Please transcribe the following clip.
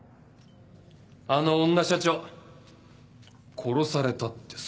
あの女社長殺されたってさ